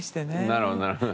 なるほどなるほど。